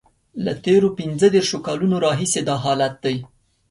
له تېرو پنځه دیرشو کالو راهیسې دا حالت دی.